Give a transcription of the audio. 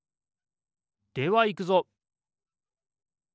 ではいくぞ！